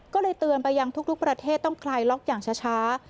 ก็เลยเตือนไปยังทุกประเทศต้องคลายล็อกอย่างช้า